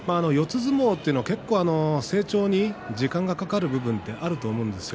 相撲というのは結構、成長に時間がかかる部分はあると思うんですよ。